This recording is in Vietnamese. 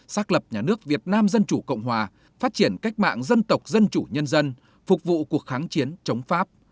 xác lập nhà nước việt nam dân chủ cộng hòa phát triển cách mạng dân tộc dân chủ nhân dân phục vụ cuộc kháng chiến chống pháp